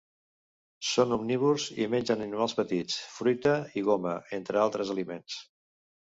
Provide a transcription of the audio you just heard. Són omnívors i mengen animals petits, fruita i goma, entre altres aliments.